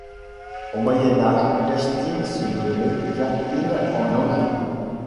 Au Moyen Âge, Gastines se nommait Gatines-en-Anjou.